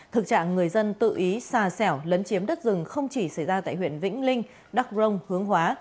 thực trạng người dân tự ý xà xẻo lấn chiếm đất rừng không chỉ xảy ra tại huyện vĩnh linh đắk rông hướng hóa